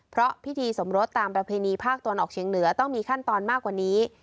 เพราะพิธีสมรสตามประเพณีภาคตะวันออกเชียงเหนือต้องมีขั้นตอนมากกว่านี้